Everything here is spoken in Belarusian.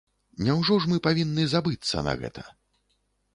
Няўжо ж мы павінны забыцца на гэта.